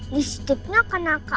lipsticknya kena ke aku